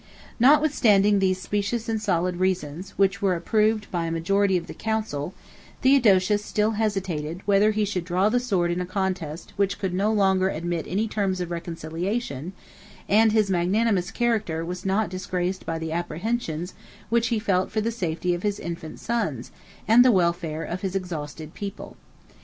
Notwithstanding these specious and solid reasons, which were approved by a majority of the council, Theodosius still hesitated whether he should draw the sword in a contest which could no longer admit any terms of reconciliation; and his magnanimous character was not disgraced by the apprehensions which he felt for the safety of his infant sons, and the welfare of his exhausted people.